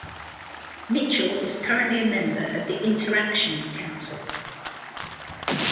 Mitchell is currently a member of the InterAction Council.